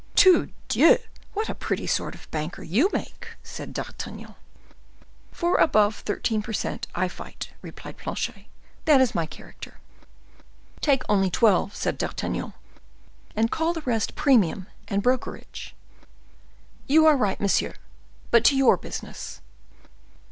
"Tu dieu! what a pretty sort of banker you make!" said D'Artagnan. "For above thirteen per cent I fight," replied Planchet; "that is my character." "Take only twelve," said D'Artagnan, "and call the rest premium and brokerage." "You are right, monsieur; but to your business."